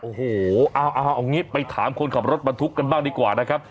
โอ้โหเอาอย่างนี้ไปถามคนขับรถบรรทุกกันบ้างดีกว่านะครับ